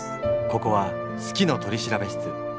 ここは「好きの取調室」。